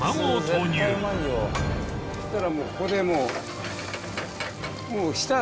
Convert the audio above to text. そしたらここでもう。